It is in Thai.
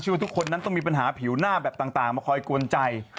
ว่าทุกคนนั้นต้องมีปัญหาผิวหน้าแบบต่างมาคอยกวนใจ